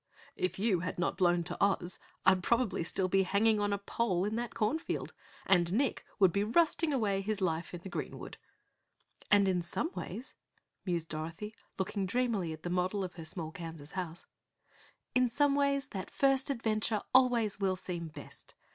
"If you had not blown to Oz, I'd probably still be hanging on a pole in that cornfield and Nick would be rusting away his life in the greenwood." "And in some ways," mused Dorothy, looking dreamily at the model of her small Kansas house, "in some ways that first adventure always will seem best.